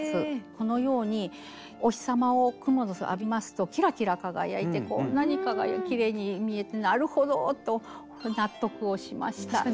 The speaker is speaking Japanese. このようにお日様をクモの巣浴びますとキラキラ輝いてこんなにきれいに見えてなるほどと納得をしました。